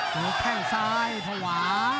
ลุกแทงซ้ายภาวะ